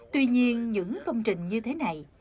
tuy nhiên những công trình như thế này